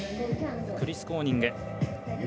クリス・コーニング。